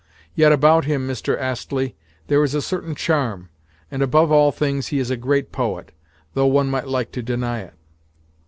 Yet about him, Mr. Astley, there is a certain charm, and, above all things, he is a great poet—though one might like to deny it.